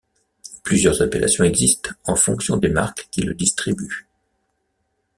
Plusieurs appellations existent en fonction des marques qui le distribuent.